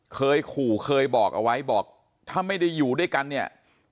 เคยขู่เคยบอกเอาไว้บอกถ้าไม่ได้อยู่ด้วยกันเนี่ย